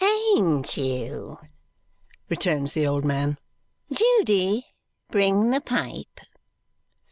"Ain't you?" returns the old man. "Judy, bring the pipe."